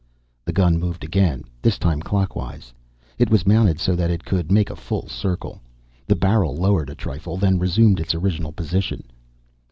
The gun moved again, this time clockwise. It was mounted so that it could make a full circle. The barrel lowered a trifle, then resumed its original position.